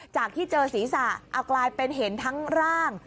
จากที่เจอศีรษะเอากลายเป็นเห็นทั้งร่าง